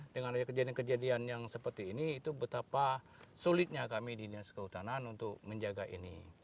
dengan kejadian kejadian yang seperti ini itu betapa sulitnya kami di dinas kehutanan untuk menjaga ini